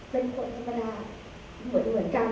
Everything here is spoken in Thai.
เป็นคนธรรมดาเหมือนเหมือนกัน